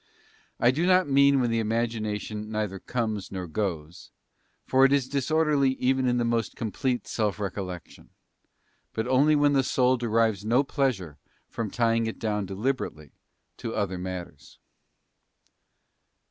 I do not mean when the imagination neither comes 3. Desire of repose in God. Cautions. nor goes—for it is disorderly even in the most complete self recollection—but only when the soul derives no pleasure from tying it down deliberately to other matters.